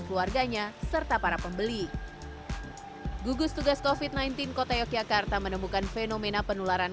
keluarganya serta para pembeli gugus tugas kofit sembilan belas kota yogyakarta menemukan fenomena penularan